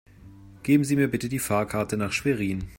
Geben Sie mir bitte die Fahrkarte nach Schwerin